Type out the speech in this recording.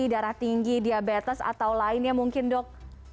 darah tinggi diabetes atau lainnya mungkin dok